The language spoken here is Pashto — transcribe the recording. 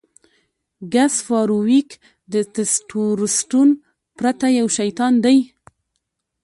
ګس فارویک د ټسټورسټون پرته یو شیطان دی